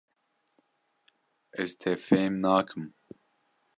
Ez, te fêm nakim.